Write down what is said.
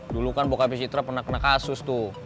dulu kan bokami citra pernah kena kasus tuh